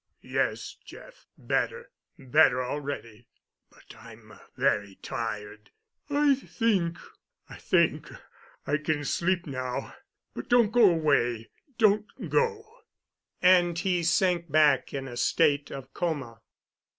"Yes, Jeff, better—better already—but I'm very tired. I think—I think—I can sleep now—but don't go away—don't go," and he sank back in a state of coma.